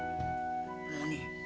何？